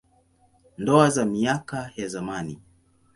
Ndoa za miaka ya zamani.